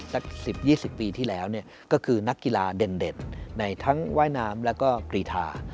สัก๑๐๒๐ปีที่แล้วก็คือนักกีฬาเด่นในทั้งว่ายน้ำแล้วก็กรีธา